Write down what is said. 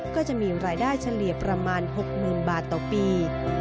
ก็จะมีรายได้เฉลี่ยประมาณ๖๐๐๐บาทต่อปี